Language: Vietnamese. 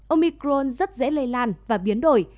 omicron rất dễ lây lan và biến đổi